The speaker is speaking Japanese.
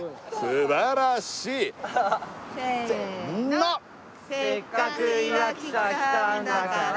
素晴らしいせーの「せっかくいわきさ来たんだがら」